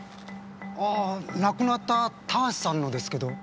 ああ亡くなった田橋さんのですけど。